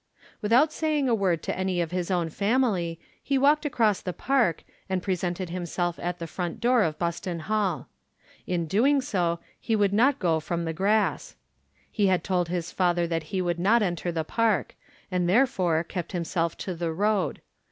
Without saying a word to any of his own family he walked across the park, and presented himself at the front door of Buston Hall. In doing so he would not go upon the grass. He had told his father that he would not enter the park, and therefore kept himself to the road.